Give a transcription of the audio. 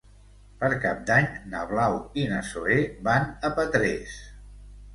Per Cap d'Any na Blau i na Zoè van a Petrés.